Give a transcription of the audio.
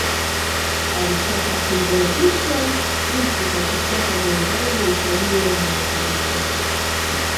Alitaka kuidhoofisha nchi kwa kutaka Muungano ufanyiwe marekebisho